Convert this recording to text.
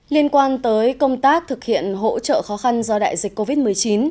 liên quan tới công tác thực hiện hỗ trợ khó khăn do đại dịch covid một mươi chín